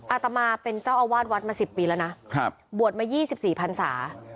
อาตมาเป็นเจ้าอาวาสวัดมาสิบปีแล้วนะบวชมายี่สิบสี่พันศา